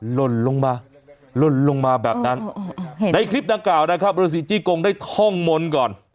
หล่นลงมาหล่นลงมาแบบนั้นในคลิปดังกล่าวนะครับฤษีจี้กงได้ท่องมนต์ก่อน